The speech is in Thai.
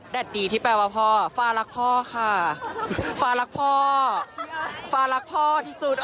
ดีที่แปลว่าพ่อฟ้ารักพ่อค่ะฟ้ารักพ่อฟ้าฟ้ารักพ่อที่สุด